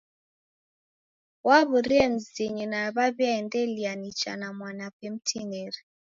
Waw'urie mzinyi na waw'iaendelia nicha na mwanape mtinieri.